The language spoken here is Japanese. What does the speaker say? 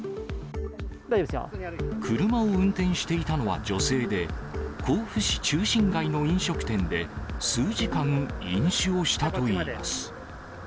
車を運転していたのは女性で、甲府市中心街の飲食店で数時間飲酒をしたといいます。